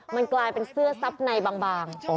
มันกลายเป็นเสื้อซับในบาง